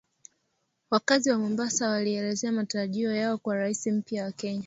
Wakazi wa Mombasa waelezea matarajio yao kwa Rais mpya wa Kenya